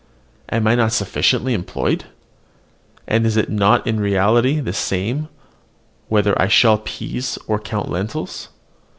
Am I not sufficiently employed? And is it not in reality the same, whether I shell peas or count lentils?